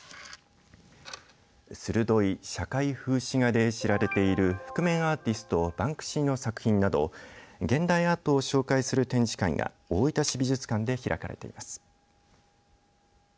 鋭い社会風刺画で知られている覆面アーティストバンクシーの作品など現代アートを紹介する展示会が大分市美術館で開かれています。